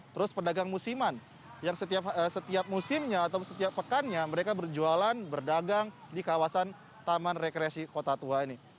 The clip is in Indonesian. terus pedagang musiman yang setiap musimnya atau setiap pekannya mereka berjualan berdagang di kawasan taman rekreasi kota tua ini